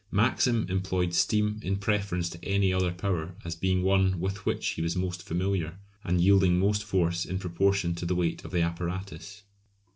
Maxim employed steam in preference to any other power as being one with which he was most familiar, and yielding most force in proportion to the weight of the apparatus.